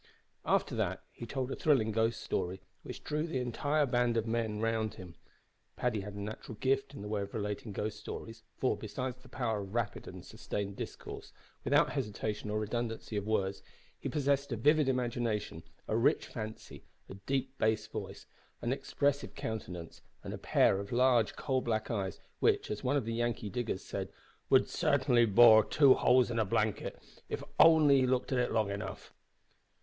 After that he told a thrilling ghost story, which drew the entire band of men round him. Paddy had a natural gift in the way of relating ghost stories, for, besides the power of rapid and sustained discourse, without hesitation or redundancy of words, he possessed a vivid imagination, a rich fancy, a deep bass voice, an expressive countenance, and a pair of large coal black eyes, which, as one of the Yankee diggers said, "would sartinly bore two holes in a blanket if he only looked at it long enough."